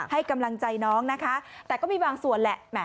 ให้กำลังใจน้องนะคะแต่ก็มีบางส่วนแหละ